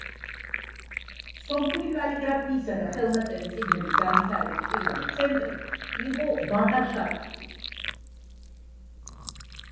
სომხური კალიგრაფიისა და ხელნაწერი წიგნების განვითარების პირველი ცენტრი იყო ვაღარშაპატი.